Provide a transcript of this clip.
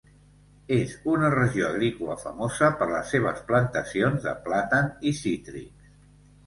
És una regió agrícola famosa per les seves plantacions de plàtan i cítrics.